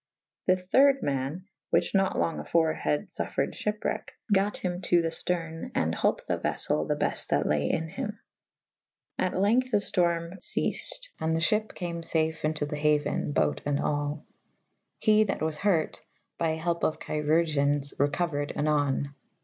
The thyrde [E viii a] man (whiche nat longe afore had fuffered fhypwracke) gate hym to the fterne : and holpe the veffell the beft that laye in hym. At length the ftorme feaced / and the fhyp came fafe into the hauen / bote and all. He that was hurt (by helpe of Chirurgiens) recouered anon.